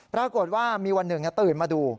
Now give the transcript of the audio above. ปรากฏว่ามีวันหนึ่งตื่นมาดู